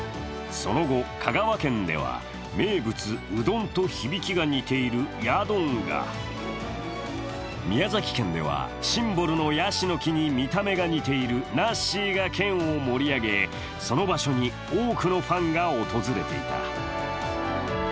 その後、香川県では、名物うどんと響きが似ているヤドンが、宮崎県ではシンボルのやしの木に見た目が似ているナッシーが県を盛り上げその場所に多くのファンが訪れていた。